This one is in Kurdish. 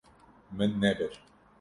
Min nebir.